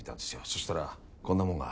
そしたらこんなもんが。